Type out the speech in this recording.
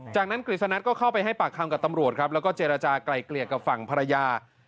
จากนั้นกฤษณก็เข้าไปให้ปากคำกับตำรวจครับแล้วก็เจรจากลายเกลี่ยกับฝั่งภรรยา